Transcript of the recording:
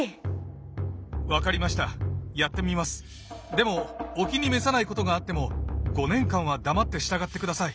でもお気に召さないことがあっても５年間は黙って従ってください。